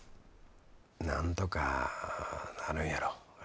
なんとかなるんやろ。